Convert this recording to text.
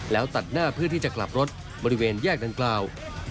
แล้วตัดหน้าพื้นที่จะกลับรถบริเวณแยกอ่าวอุดม